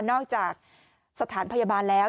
นอกจากสถานพยาบาลแล้ว